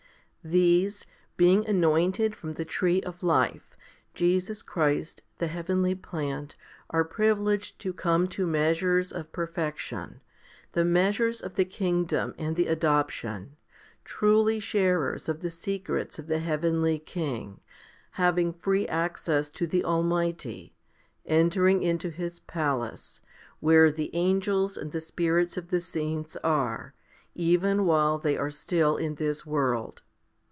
These, being anointed from the tree of life, Jesus Christ, the heavenly plant, are privileged to come to measures of perfection, the measures of the kingdom and the adoption, truly sharers of the secrets of the heavenly King, having free access to the Almighty, entering into His palace, where the angels and the spirits of the saints are, even while they are still in this world.